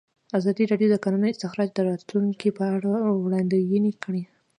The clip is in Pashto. ازادي راډیو د د کانونو استخراج د راتلونکې په اړه وړاندوینې کړې.